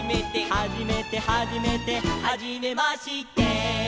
「はじめてはじめて」「はじめまして」